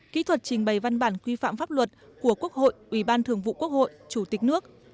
kỹ thuật trình bày văn bản quy phạm pháp luật của quốc hội ủy ban thường vụ quốc hội chủ tịch nước